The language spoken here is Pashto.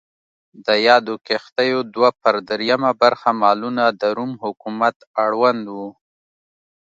د یادو کښتیو دوه پر درېیمه برخه مالونه د روم حکومت اړوند و.